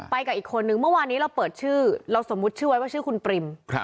กับอีกคนนึงเมื่อวานนี้เราเปิดชื่อเราสมมุติชื่อไว้ว่าชื่อคุณปริม